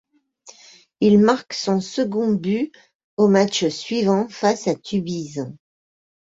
Il marque son second but au match suivant face à Tubize.